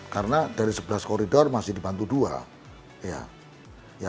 karena dari sebelas koridor masih dibantu dua